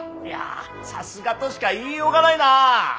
いやさすがとしか言いようがないな。